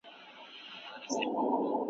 د ژوند بنسټونه له اسټروېډونو راځي.